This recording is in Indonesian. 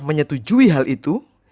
menyetujui hal itu